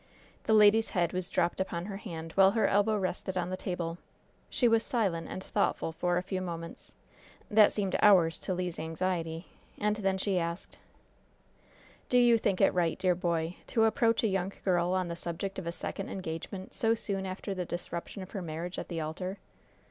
The lady's head was dropped upon her hand while her elbow rested on the table. She was silent and thoughtful for a few moments, that seemed hours to Le's anxiety, and then she asked: "Do you think it right, dear boy, to approach a young girl on the subject of a second engagement so soon after the disruption of her marriage at the altar?"